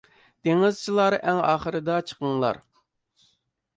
دېڭىزچىلار ئەڭ ئاخىرىدا چىقىڭلار.